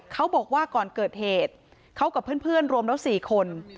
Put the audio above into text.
เขาบอกว่าก่อนเกิดเหตุเขากับเพื่อนรวมแล้ว๔คน